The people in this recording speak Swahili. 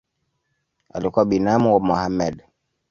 Alikuwa binamu wa Mohamed.